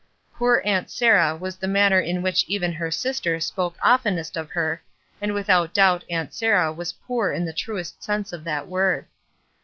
"Poor Aunt Sarah" was the manner in which even her sister spoke oftenest SACRIFICE 23 of her, and without doubt Aunt Sarah was poor in the truest sense of that word.